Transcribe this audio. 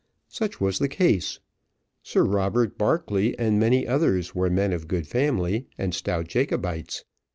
Such was the case; Sir Robert Barclay and many others were men of good family, and stout Jacobites.